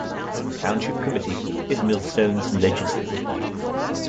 The Township Committee is Millstone's legislative body.